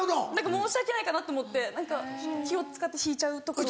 申し訳ないかなと思って何か気を使って引いちゃうところが。